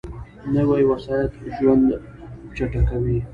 نوې وسایط ژوند چټک کوي